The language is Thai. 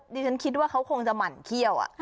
ดิฉันคิดว่าเขาคงจะหมั่นเขี้ยว